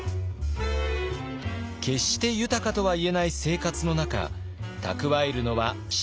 決して豊かとはいえない生活の中蓄えるのは至難の業。